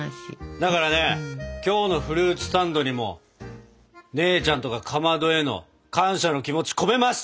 だからね今日のフルーツサンドにも姉ちゃんとかかまどへの感謝の気持ち込めます！